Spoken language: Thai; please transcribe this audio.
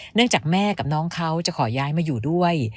จากแม่กับน้องเขาจะขอย้ายมาอยู่ด้วย